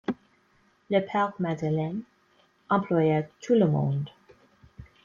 Le père Madeleine employait tout le monde.